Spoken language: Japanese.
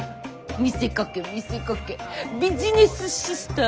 見せかけ見せかけビジネスシスターズ。